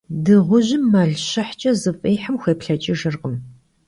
Dığujım mel şihç'e, zıf'ihım xuêplheç'ıjjırkhım.